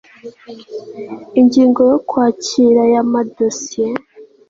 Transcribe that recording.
ingingo ya kwakira ya ma dosiye